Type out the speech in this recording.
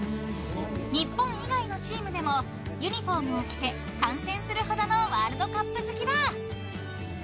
日本以外のチームでもユニホームを着て観戦するほどのワールドカップ好きだ。